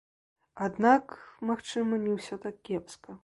Аднак, магчыма, не ўсё так кепска.